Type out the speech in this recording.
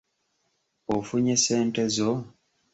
Ofunye ssente zo?